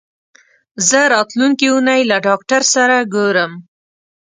زه راتلونکې اونۍ له ډاکټر سره ګورم.